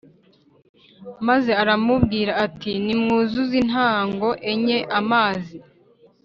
Maze arababwira ati “Nimwuzuze intango enye amazi